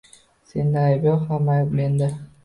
Senda ayb yoʻq, hamma ayb menda!